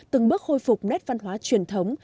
từng bước khôi phục nét văn hóa truyền thống